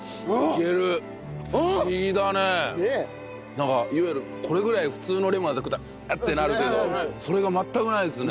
なんかいわゆるこれぐらい普通のレモン食ったら「うっ！」ってなるけどそれが全くないですね。